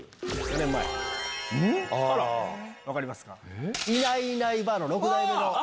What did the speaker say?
分かりますか？